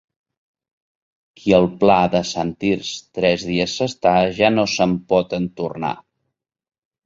Qui al Pla de Sant Tirs tres dies s'està, ja no se'n pot entornar.